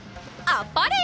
あっぱれ！